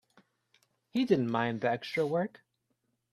He didn't mind the extra work.